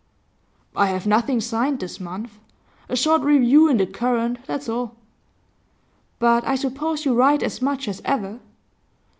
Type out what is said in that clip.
'I have nothing signed this month. A short review in The Current, that's all.' 'But I suppose you write as much as ever?